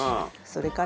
それから？